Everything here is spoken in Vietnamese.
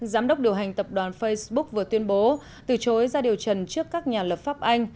giám đốc điều hành tập đoàn facebook vừa tuyên bố từ chối ra điều trần trước các nhà lập pháp anh